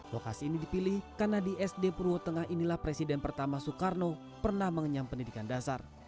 lokasi ini dipilih karena di sd purwo tengah inilah presiden pertama soekarno pernah mengenyam pendidikan dasar